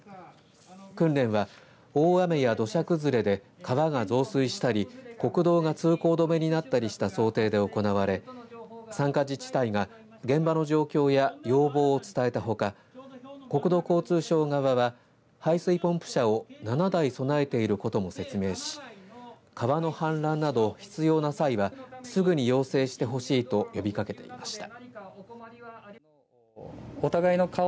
訓練は大雨や土砂崩れで川が増水したり国道が通行止めになったりした想定で行われ参加自治体が現場の状況や要望を伝えたほか国土交通省側は排水ポンプ車を７台備えていることも説明し川の氾濫など必要な際はすぐに要請してほしいと呼びかけていました。